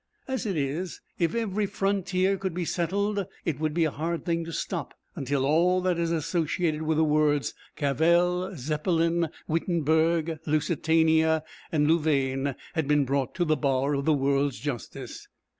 As it is, if every frontier could be settled, it would be a hard thing to stop until all that is associated with the words Cavell, Zeppelin, Wittenberg, Lusitania, and Louvain has been brought to the bar of the world's Justice.